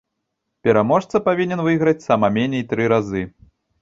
Пераможца павінен выйграць сама меней тры разы.